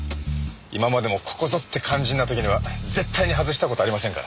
今までもここぞって肝心な時には絶対に外した事ありませんから。